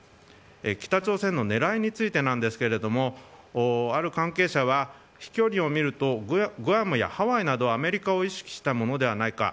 北朝鮮の狙いについてなんですけれどもある関係者は飛距離を見るとグアムやハワイなどアメリカを意識したものではないか。